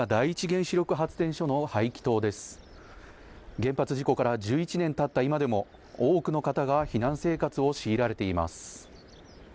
原発事故から１１年たった今でも多くの方が避難生活を強いられています。